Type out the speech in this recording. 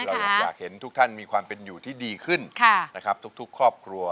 เราอยากเห็นทุกท่านมีความเป็นอยู่ที่ดีขึ้นนะครับทุกครอบครัว